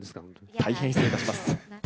大変失礼いたします。